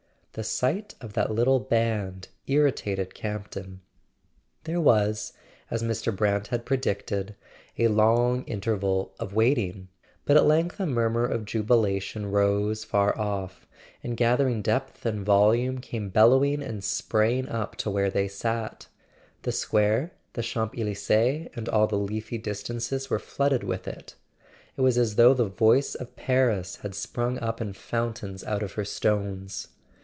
The sight of that little band irritated Campton. .. There was, as Mr. Brant had predicted, a long inter¬ val of waiting; but at length a murmur of jubilation rose far off, and gathering depth and volume came bellowing and spraying up to where they sat. The square, the Champs Elysees and all the leafy distances were flooded with it: it was as though the voice of Paris had sprung up in fountains out of her stones.